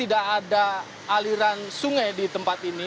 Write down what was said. tidak ada aliran sungai di tempat ini